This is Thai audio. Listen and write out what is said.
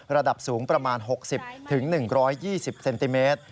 ระดับสูงประมาณ๖๐๑๒๐เซนติเมตร